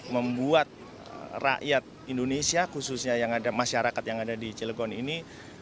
membuat rakyat indonesia khususnya yang ada masyarakat yang ada di cilegon ini